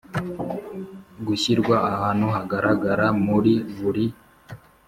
gushyirwa ahantu hagaragara muri buri